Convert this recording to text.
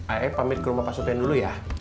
ai ai pamit ke rumah pak sutein dulu ya